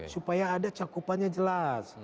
supaya ada cakupannya jelas